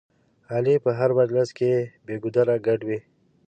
علي په هر مجلس کې بې ګودره ګډ وي.